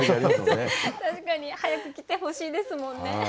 確かに早く来てほしいですもんね。